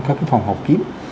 các cái phòng học kiếm